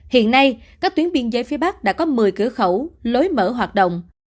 hiện nay các tuyến biên giới phía bắc đã có một mươi cửa khẩu lối mở hoạt động